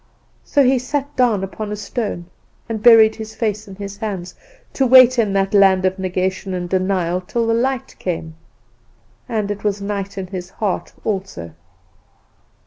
So he sat down upon a stone and buried his face in his hands, to wait in the Land of Negation and Denial till the light came. "And it was night in his heart also.